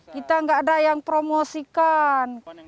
kita nggak ada yang promosikan